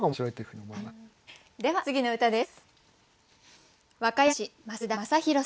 では次の歌です。